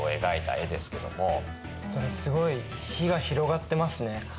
すごい火が広がってますね。